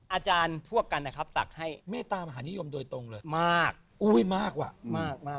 อาจารย์พวกกันนะครับตักให้เมตตามหานิยมโดยตรงเลยมากอุ้ยมากว่ะมากมาก